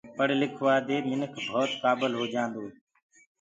پڙه لکوآ دي منک ڀوت ڪآبل هوجآندو هي۔